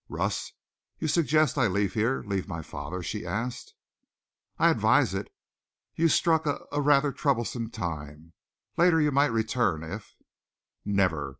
"Russ, you suggest I leave here leave my father?" she asked. "I advise it. You struck a a rather troublesome time. Later you might return if " "Never.